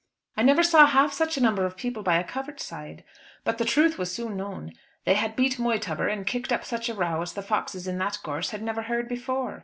"I never saw half such a number of people by a covert side. But the truth was soon known. They had beat Moytubber, and kicked up such a row as the foxes in that gorse had never heard before.